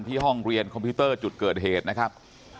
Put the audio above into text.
ห้องเรียนคอมพิวเตอร์จุดเกิดเหตุนะครับ